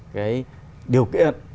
cái điều kiện